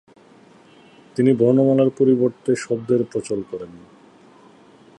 তিনি বর্ণমালার পরিবর্তে শব্দের প্রচল করেন।